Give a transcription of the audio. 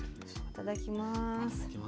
いただきます。